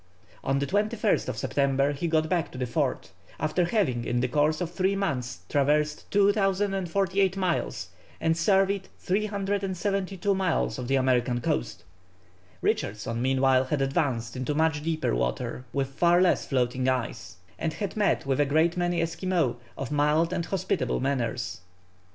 On the 21st September he got back to the fort, after having in the course of three months traversed 2048 miles, and surveyed 372 miles of the American coast. Richardson meanwhile had advanced into much deeper water with far less floating ice, and had met with a great many Esquimaux of mild and hospitable manners.